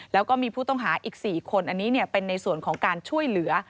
แล้วก็มีผู้ต้องหาอีก๔คนอันนี้เป็นในส่วนของการช่วยเหลือ